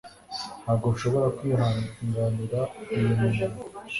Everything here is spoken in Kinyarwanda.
Ntabwo nshobora kwihanganira uyu munuko.